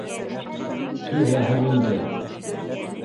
— Түҙәһең инде.